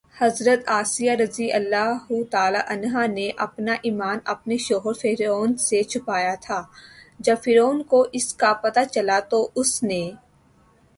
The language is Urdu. حضرت آسیہ رضی اللہ تعالٰی عنہا نے اپنا ایمان اپنے شوہر فرعون سے چھپایا تھا، جب فرعون کو اس کا پتہ چلا تو اس نے